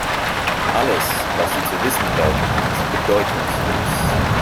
Alles, was Sie zu wissen glauben, ist bedeutungslos.